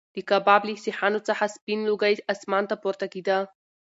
د کباب له سیخانو څخه سپین لوګی اسمان ته پورته کېده.